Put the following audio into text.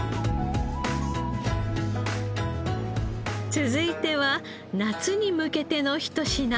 続いては夏に向けてのひと品。